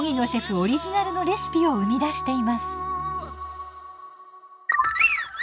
オリジナルのレシピを生み出しています。